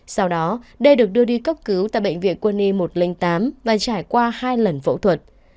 sau đó d được đưa đi cấp cứu tại bệnh viện quân y một trăm linh tám và trải qua hai lần phẫu thuật